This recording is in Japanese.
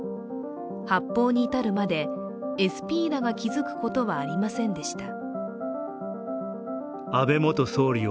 発砲に至るまで、ＳＰらが気付くことはありませんでした。